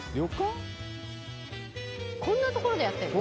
「こんな所でやってるの？」